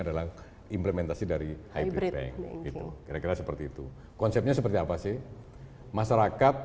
adalah implementasi dari hybrid bank itu kira kira seperti itu konsepnya seperti apa sih masyarakat